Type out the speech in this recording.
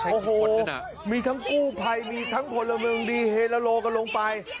โอ้โหมีทั้งกู้ไพลมีทั้งผลละหนึ่งดีหรือลดกันลงไป